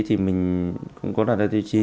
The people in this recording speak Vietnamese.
thì mình không có lắp đặt tiêu chí